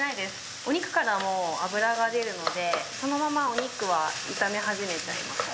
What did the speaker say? お肉からも脂が出るので、そのままお肉は炒め始めちゃいます。